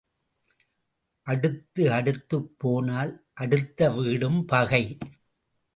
அடுத்து அடுத்துப் போனால் அடுத்த வீடும் பகை.